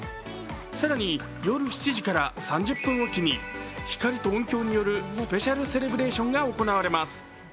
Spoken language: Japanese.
更に夜７時から３０分置きに光と音響によるスペシャルセレブレーションが行われます。